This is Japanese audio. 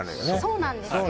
そうなんですよ